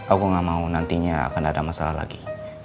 aku gak mau nantinya akan ada masalah lagi